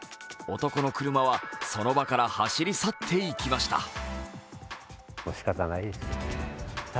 男の車はその場から走り去っていきました。